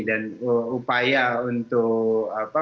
dan upaya untuk apa